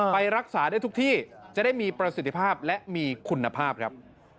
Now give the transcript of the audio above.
ไปรักษาได้ทุกที่จะได้มีประสิทธิภาพและมีคุณภาพครับ